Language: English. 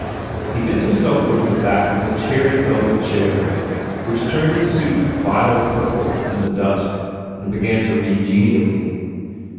He bent himself over the back of a cherry velvet chair which turned his suit vile purple in the dusk and began to read genially.